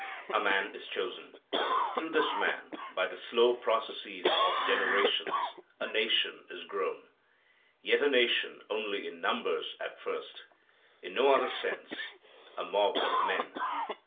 A man is chosen. Through this man, by the slow processes of generations, a nation is grown. Yet a nation only in numbers at first; in no other sense; a mob of men.